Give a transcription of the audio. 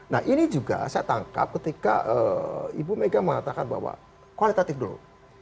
nah ini juga saya tangkap ketika ibu mega mengatakan bahwa kualitatif dulu